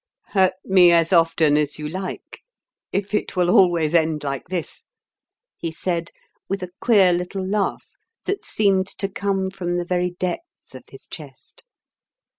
"Hurt me as often as you like, if it will always end like this," he said with a queer little laugh that seemed to come from the very depths of his chest.